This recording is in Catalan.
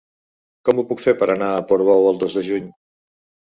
Com ho puc fer per anar a Portbou el dos de juny?